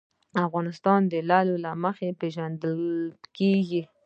افغانستان د لعل له مخې پېژندل کېږي.